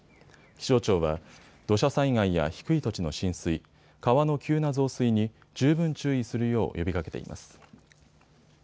気象庁は土砂災害や低い土地の浸水、川の急な増水に十分注意するよう呼びかけています。